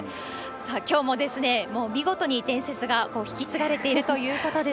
さあ、きょうももう見事に伝説が引き継がれているということで、